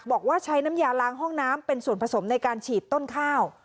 บอกว่าใช้น้ำยาล้างห้องน้ำเป็นส่วนผสมในการฉีดต้นข้าว